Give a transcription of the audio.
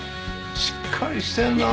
しっかりしてんな。